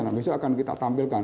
nah besok akan kita tampilkan